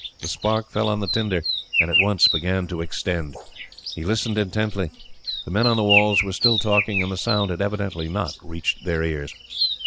The spark fell on the tinder, and at once began to extend. He listened intently. The men on the wall were still talking, and the sound had evidently not reached their ears.